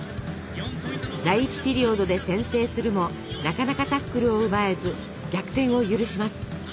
第１ピリオドで先制するもなかなかタックルを奪えず逆転を許します。